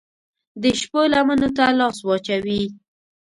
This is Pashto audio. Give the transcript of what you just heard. د شپو لمنو ته لاس واچوي